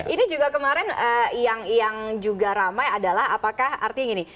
ini juga kemarin yang juga ramai adalah apakah artinya gini